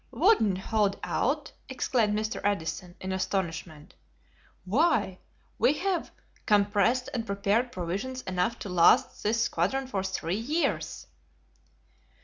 "Wouldn't hold out?" exclaimed Mr. Edison, in astonishment, "why, we have compressed and prepared provisions enough to last this squadron for three years."